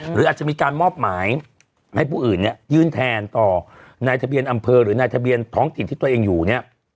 หรืออาจจะมีการมอบหมายให้ผู้อื่นเนี่ยยื่นแทนต่อนายทะเบียนอำเภอหรือนายทะเบียนท้องถิ่นที่ตัวเองอยู่เนี่ย